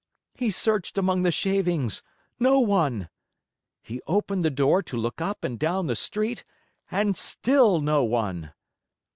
He searched among the shavings no one! He opened the door to look up and down the street and still no one!